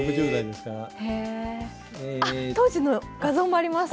あっ当時の画像もあります！